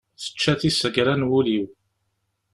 Tečča tisegra n wul-iw.